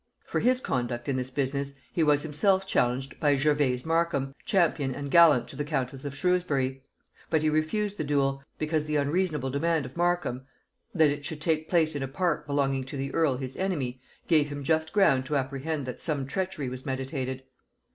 For his conduct in this business he was himself challenged by Gervase Markham, champion and gallant to the countess of Shrewsbury; but he refused the duel, because the unreasonable demand of Markham, that it should take place in a park belonging to the earl his enemy, gave him just ground to apprehend that some treachery was meditated.